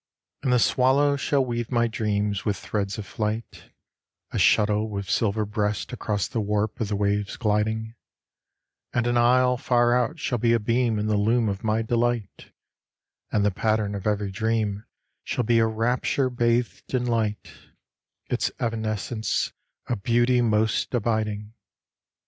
And the swallow shall weave my dreams with threads of flight, A shuttle with silver breast across the warp of the waves gliding; And an isle far out shall be a beam in the loom of my delight, And the pattern of every dream shall be a rapture bathed in light Its evanescence a beauty most abiding.